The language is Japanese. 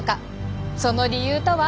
その理由とは。